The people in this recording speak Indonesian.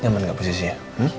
nyaman gak posisi ya